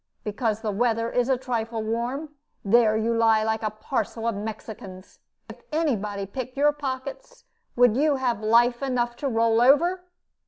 Because the weather is a trifle warm, there you lie like a parcel of Mexicans. If any body picked your pockets, would you have life enough to roll over?"